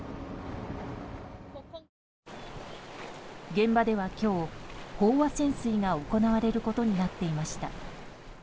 現場では今日、飽和潜水が行われることになっていました。